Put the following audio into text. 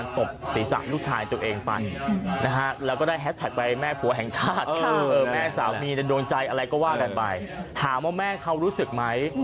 ถามว่าแม่เขารู้สึกไหม